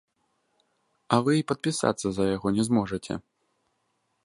А вы і падпісацца за яго не зможаце!